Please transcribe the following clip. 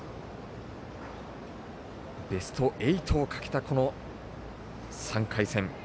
ベスト８をかけた、この３回戦。